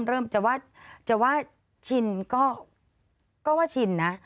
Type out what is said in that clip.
แต่ว่าชินก็ว่าชินนะ